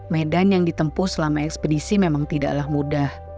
medan yang ditempuh selama ekspedisi memang tidaklah mudah